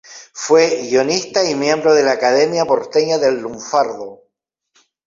Fue guionista y miembro de la Academia Porteña del Lunfardo.